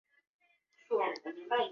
事后没有组织立即宣称对事件负责。